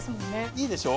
いいでしょ。